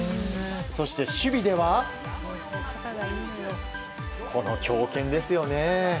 そして守備ではこの強肩ですよね。